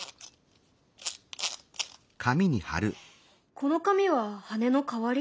この紙は羽の代わり？